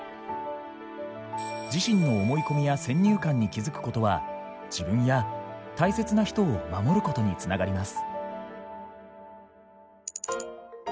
自身の思い込みや先入観に気付くことは自分や大切な人を守ることに繋がります。